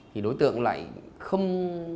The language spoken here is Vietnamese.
thì đối tượng lại không